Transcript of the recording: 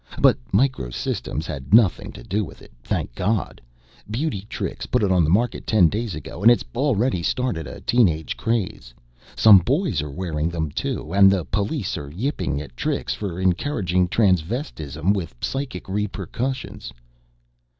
But Micro Systems had nothing to do with it, thank God. Beauty Trix put it on the market ten days ago and it's already started a teen age craze. Some boys are wearing them too, and the police are yipping at Trix for encouraging transvestism with psychic repercussions."